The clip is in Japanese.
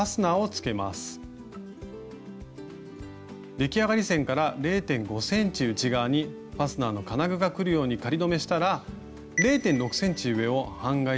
出来上がり線から０．５ｃｍ内側にファスナーの金具がくるように仮留めしたら０．６ｃｍ上を半返し縫いで縫います。